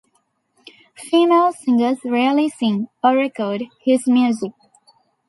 Female singers rarely sing, or record, his music.